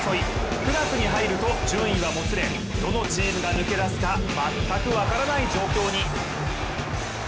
９月に入ると順位はもつれどのチームが抜け出すか全く分からない状況に。